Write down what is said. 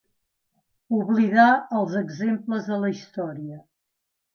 Oblidar els exemples de la història.